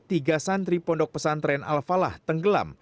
tiga santri pondok pesantren al falah tenggelam